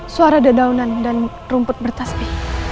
suara ada daunan dan rumput bertasmi